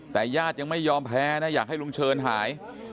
แต่ญาติยังไม่ยอมแพ้นะอยากให้ลุงเชิญหาย